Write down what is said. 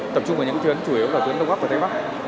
tập trung vào những tuyến chủ yếu là tuyến đông bắc và tây bắc